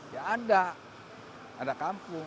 ya ada ada kampung